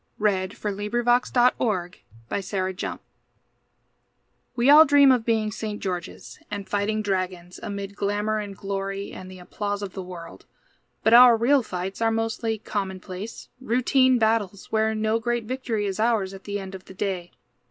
Edgar A. Guest. From "A Heap o' Livin'." THE STRUGGLE We all dream of being St. Georges and fighting dragons amid glamor and glory and the applause of the world. But our real fights are mostly commonplace, routine battles, where no great victory is ours at the end of the day.